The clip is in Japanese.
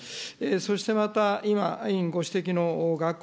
そしてまた、今、委員ご指摘の学校